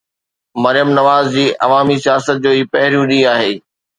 مريم نواز جي عوامي سياست جو هي پهريون ڏينهن آهي.